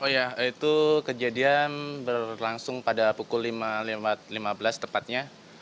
oh ya itu kejadian berlangsung pada pukul lima lima belas tepatnya